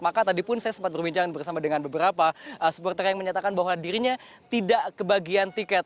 maka tadi pun saya sempat berbincang bersama dengan beberapa supporter yang menyatakan bahwa dirinya tidak kebagian tiket